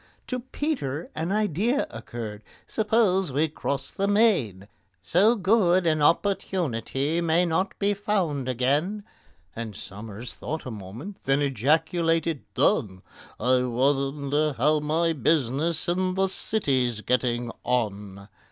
To PETER an idea occurred. "Suppose we cross the main? So good an opportunity may not be found again." And SOMERS thought a minute, then ejaculated, "Done! I wonder how my business in the City's getting on?"